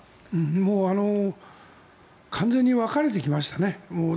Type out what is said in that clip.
もう完全に分かれてきましたね。